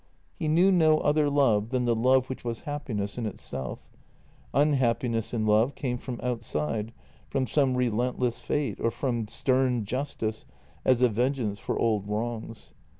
He knew no other love than the love which was happiness in itself. Unhappiness in love came from outside, from some relentless fate, or from stern justice as a vengeance for old wrongs.